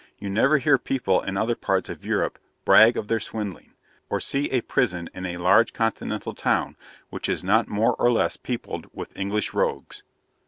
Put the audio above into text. You never hear people in other parts of Europe brag of their swindling; or see a prison in a large Continental town which is not more or less peopled with English rogues.